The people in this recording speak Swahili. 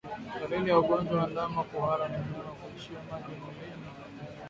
Dalili ya ugonjwa wa ndama kuhara ni mnyama kuishiwa maji mwilini